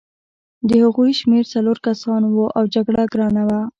د هغوی شمېر څلور کسان وو او جګړه ګرانه وه